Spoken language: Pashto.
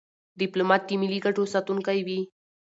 ډيپلومات د ملي ګټو ساتونکی وي.